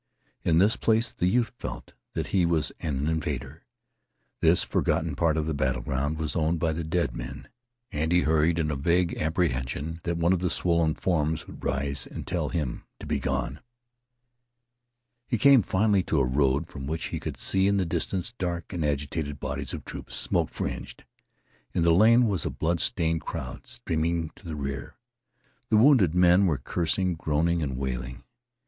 In this place the youth felt that he was an invader. This forgotten part of the battle ground was owned by the dead men, and he hurried, in the vague apprehension that one of the swollen forms would rise and tell him to begone. He came finally to a road from which he could see in the distance dark and agitated bodies of troops, smoke fringed. In the lane was a blood stained crowd streaming to the rear. The wounded men were cursing, groaning, and wailing.